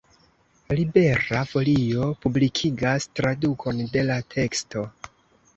Libera Folio publikigas tradukon de la teksto.